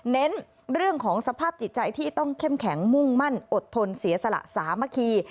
เน้นเรื่องของสภาพจิตใจที่ต้องเข้มแข็งมุ่งมั่นอดทนเสียสละสามัคคี